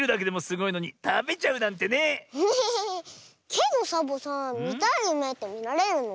けどサボさんみたいゆめってみられるの？